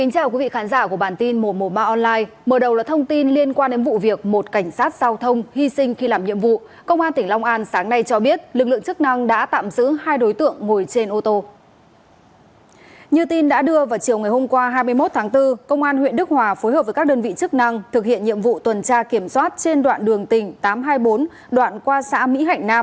cảm ơn các bạn đã theo dõi